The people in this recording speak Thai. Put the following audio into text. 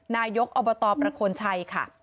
นายกอบตประโคนชัยค่ะ